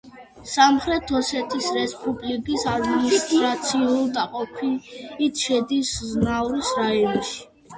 სამხრეთ ოსეთის რესპუბლიკის ადმინისტრაციული დაყოფით შედის ზნაურის რაიონში.